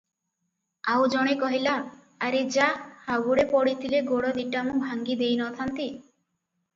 ଆଉ ଜଣେ କହିଲା- "ଆରେ ଯା- ହାବୁଡ଼େ ପଡ଼ିଥିଲେ ଗୋଡ଼ ଦିଟା ମୁଁ ଭାଙ୍ଗି ଦେଇ ନଥାନ୍ତି?